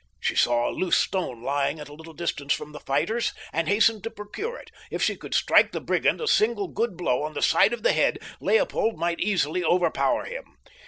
She saw a loose stone lying at a little distance from the fighters and hastened to procure it. If she could strike the brigand a single good blow on the side of the head, Leopold might easily overpower him.